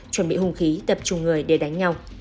chuẩn bị hung khí tập trung người để đánh nhau